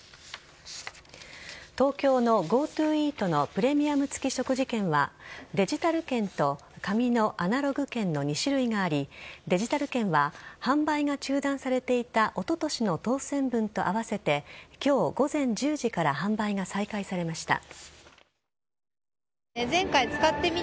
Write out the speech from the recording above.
東京のＧｏＴｏイートのプレミアム付き食事券はデジタル券と紙のアナログ券の２種類がありデジタル券は販売が中断されていたおととしの当選分と合わせて今日午前１０時から販売が再開されました。